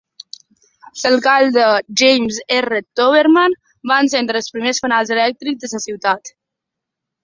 L'alcalde James R Toberman va encendre els primers fanals elèctrics de la ciutat.